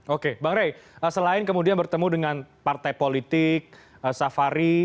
oke bang rey selain kemudian bertemu dengan partai politik safari